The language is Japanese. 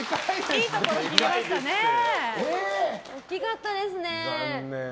大きかったですね。